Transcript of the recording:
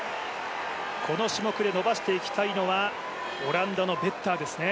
この種目で伸ばしていきたいのはオランダのベッターですね。